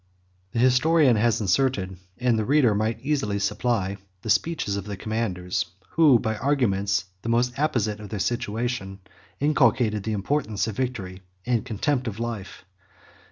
The historian has inserted, and the reader may easily supply, the speeches 21 of the commanders, who, by arguments the most apposite to their situation, inculcated the importance of victory, and the contempt of life.